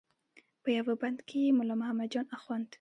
په یوه بند کې یې ملا محمد جان اخوند.